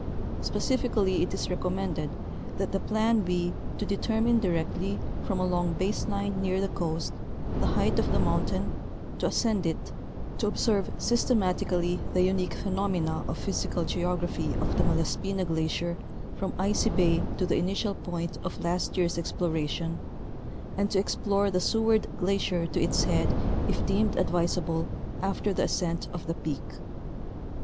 Spe cifically it is recommended that the plan be to determine directly, from a long base line near the coast, the height of the mountain, to ascend it, to observe systematically the unique phenomena of physical geography of the Malaspina glacier from Icy bay to the initial point of last year's exploration, and to explore the Seward glacier to its head if deemed advisalDle after the ascent of the peak.